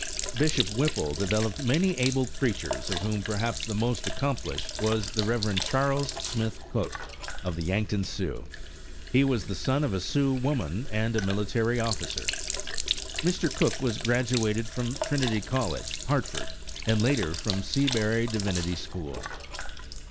Bishop Whipple developed many able preachers, of whom perhaps the most accomplished was the Rev. Charles Smith Cook, of the Yankton Sioux. He was the son of a Sioux woman and a military officer. Mr. Cook was graduated from Trinity College, Hartford, and later from Seabury Divinity School.